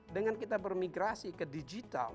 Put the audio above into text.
dengan kita bermigrasi ke digital